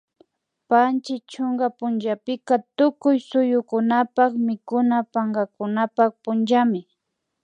Panchi chunka punllapika tukuy suyukunapak mikuna pankakunapak punllami